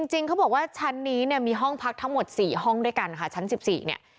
จริงเขาบอกว่าชั้นนี้เนี่ยมีห้องพักทั้งหมด๔ห้องด้วยกันค่ะชั้น๑๔เนี่ย